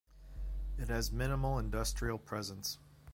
It has minimal industrial presence.